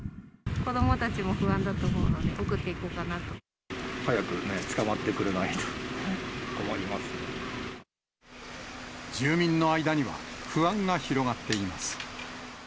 子どもたちも不安だと思うの早くね、住民の間には不安が広がっています。